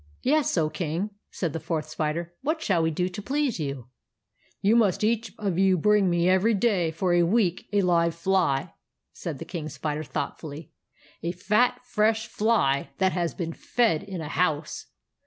" Yes, O King," said the Fourth Spider. " What shall we do to please you ?"" You must each of you bring me every day for a week a live fly," said the King Spider, thoughtfully ;" a fat, fresh fly that 108 THE ADVENTURES OF MABEL nas been fed in a house.